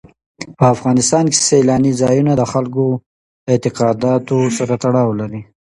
په افغانستان کې سیلانی ځایونه د خلکو د اعتقاداتو سره تړاو لري.